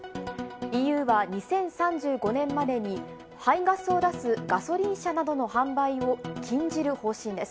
ＥＵは２０３５年までに、排ガスを出すガソリン車などの販売を禁じる方針です。